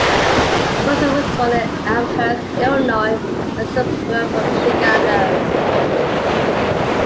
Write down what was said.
Russell was born in Elmhurst, Illinois, a suburb of Chicago.